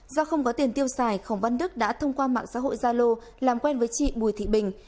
do không có tiền tiêu xài khổng văn đức đã thông qua mạng xã hội gia lô làm quen với chị bùi thị bình